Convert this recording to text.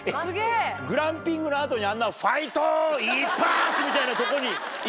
グランピングの後にあんな「ファイト！一発！」みたいなとこに。